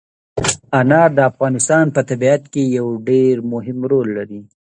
انار د افغانستان په طبیعت کې یو ډېر مهم رول لري.